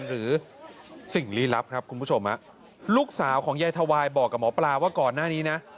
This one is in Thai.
หรือสิ่งลี้ลับครับคุณผู้ชมลูกสาวของยายทวายบอกกับหมอปลาว่าก่อนหน้านี้นะ